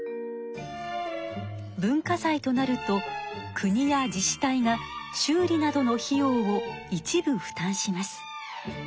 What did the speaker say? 文化財となると国や自治体が修理などの費用を一部負担します。